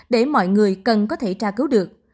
để mọi người cần có thể tra cứu được